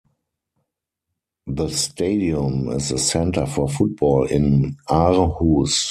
The stadium is the center for football in Aarhus.